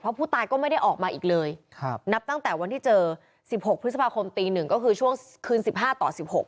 ผู้ตายก็ไม่ได้ออกมาอีกเลยนับตั้งแต่วันที่เจอ๑๖พฤษภาคมตีหนึ่งก็คือช่วงคืน๑๕ต่อ๑๖